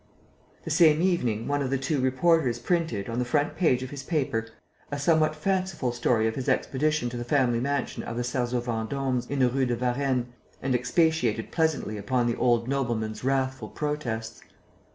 The same evening, one of the two reporters printed, on the front page of his paper, a somewhat fanciful story of his expedition to the family mansion of the Sarzeau Vendômes, in the Rue de Varennes, and expatiated pleasantly upon the old nobleman's wrathful protests.